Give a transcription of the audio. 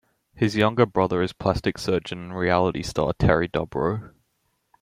His younger brother is plastic surgeon and reality star Terry Dubrow.